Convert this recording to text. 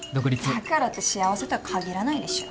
だからって幸せとは限らないでしょ。